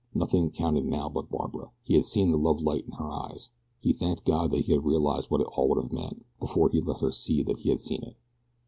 Nothing counted now but Barbara. He had seen the lovelight in her eyes. He thanked God that he had realized what it all would have meant, before he let her see that he had seen it.